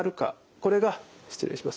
これが失礼します。